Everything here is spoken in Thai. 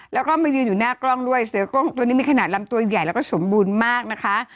แล้วก็มายืนอยู่หน้ากล้องด้วยเสือกล้องตัวนี้มีขนาดลำตัวใหญ่แล้วก็สมบูรณ์มากนะคะ